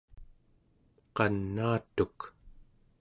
qanaatuk